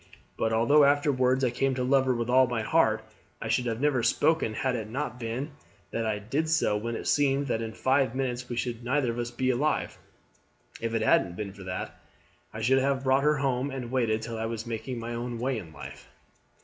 But although afterwards I came to love her with all my heart, I should never have spoken had it not been that I did so when it seemed that in five minutes we should neither of us be alive. If it hadn't been for that I should have brought her home and waited till I was making my own way in life."